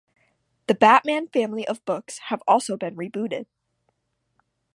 The Batman family of books have also been rebooted.